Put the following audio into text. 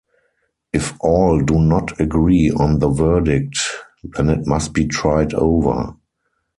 If all do not agree on the verdict, then it must be tried over.